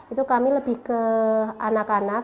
itu kami lebih ke anak anak